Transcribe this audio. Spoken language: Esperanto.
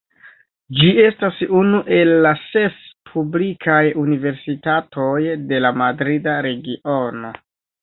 Ĝi estas unu el la ses publikaj universitatoj de la Madrida Regiono.